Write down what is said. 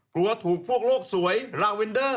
กลัวถูกพวกโลกสวยลาเวนเดอร์